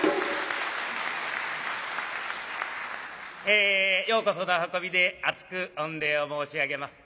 えようこそのお運びで厚く御礼を申し上げます。